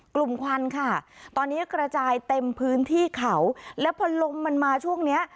ควันค่ะตอนนี้กระจายเต็มพื้นที่เขาแล้วพอลมมันมาช่วงเนี้ย